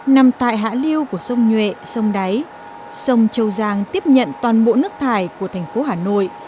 nằm tại hạ liêu của sông nhuệ sông đáy sông châu giang tiếp nhận toàn bộ nước thải của thành phố hà nội